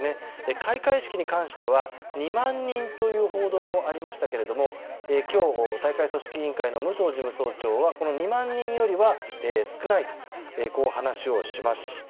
開会式に関しては２万人という報道もありましたが今日、大会組織委員会の武藤事務総長はこの２万人よりは少ないとこう話をしました。